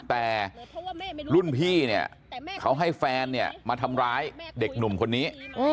แต่รุ่นพี่เนี่ยเขาให้แฟนเนี่ยมาทำร้ายเด็กหนุ่มคนนี้